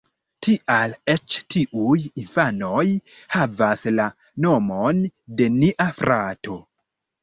Tial eĉ tiuj infanoj havas la nomon de nia frato